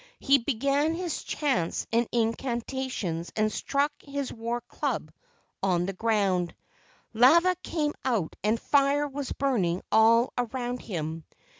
He began his chants and incanta¬ tions and struck his war club on the ground. Lava came out and fire was burning all around him.